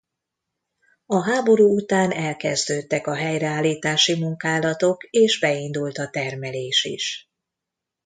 A háború után elkezdődtek a helyreállítási munkálatok és beindult a termelés is.